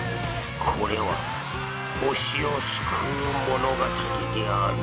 これは惑星を救う物語である